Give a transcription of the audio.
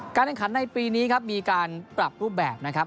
แห่งขันในปีนี้ครับมีการปรับรูปแบบนะครับ